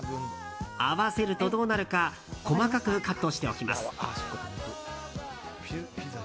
合わせるとどうなるか細かくカットしておきます。